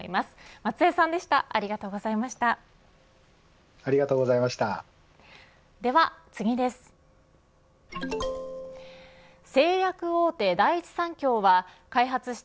松江さんでした。